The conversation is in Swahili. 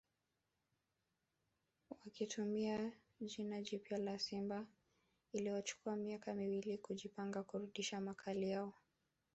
Wakitumia jina jipya la Simba iliwachukua miaka miwili kujipanga kurudisha makali yao